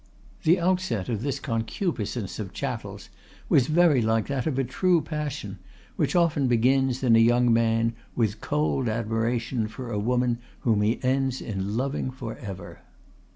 The outset of this concupiscence of chattels was very like that of a true passion, which often begins, in a young man, with cold admiration for a woman whom he ends in loving forever.